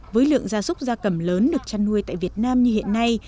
với lượng gia súc gia cầm lớn được chăn nuôi tại việt nam như hiện nay